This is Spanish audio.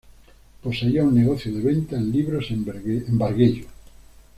Poseía un negocio de venta de libros en Bargello.